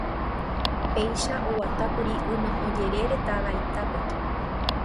Péicha oguatákuri ynoʼõ jerére táva Itápe.